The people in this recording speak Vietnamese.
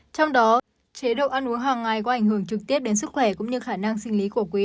trong đó chế độ ăn uống hàng ngày có ảnh hưởng trực tiếp đến sức khỏe cũng như khả năng sinh lý của quý